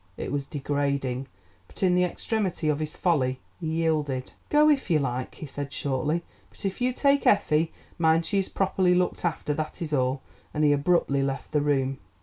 It was degrading, but in the extremity of his folly he yielded. "Go if you like," he said shortly, "but if you take Effie, mind she is properly looked after, that is all," and he abruptly left the room.